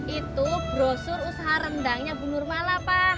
itu brosur usaha rendangnya bu nurmala pak